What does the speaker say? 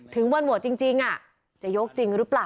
ถึงวันโหวดจริงอย่างจริงจะยกร้าประมาณเมือง